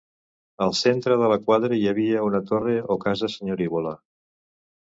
Al centre de la quadra hi havia una torre o casa senyorívola.